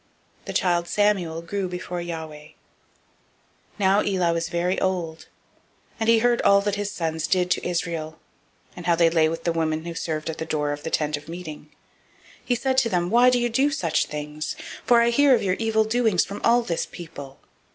The child Samuel grew before Yahweh. 002:022 Now Eli was very old; and he heard all that his sons did to all Israel, and how that they lay with the women who served at the door of the tent of meeting. 002:023 He said to them, Why do you such things? for I hear of your evil dealings from all this people.